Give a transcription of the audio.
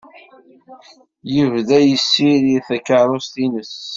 Yebda yessirid takeṛṛust-nnes.